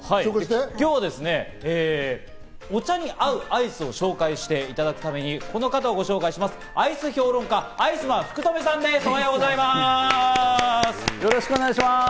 今日はですね、お茶に合うアイスを紹介していただくために、この方をご紹介します、アイス評論家のアイスマン福留さんです、おはようよろしくお願いします。